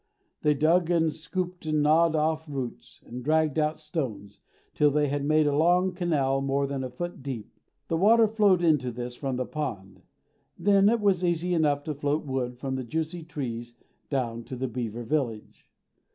They dug and scooped and gnawed off roots, and dragged out stones, till they had made a long canal more than a foot deep. The water flowed into this from the pond. Then it was easy enough to float wood from the juicy trees down to the beaver village.